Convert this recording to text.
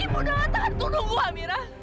ibu doa tahan untuk nunggu amira